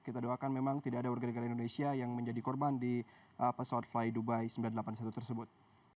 kita doakan memang tidak ada warga negara indonesia yang menjadi korban di pesawat fly dubai sembilan ratus delapan puluh satu tersebut